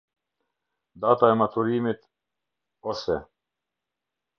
Data e maturimit: ose.